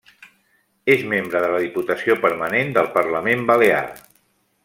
És membre de la Diputació Permanent del Parlament Balear.